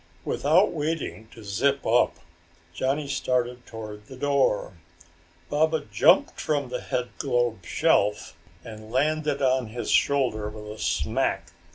Without waiting to zip up, Johnny started toward the door. Baba jumped from the headglobe shelf and landed on his shoulder with a smack.